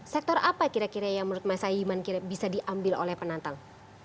sektor apa kira kira yang menurut mas ayiman bisa diambil oleh penantang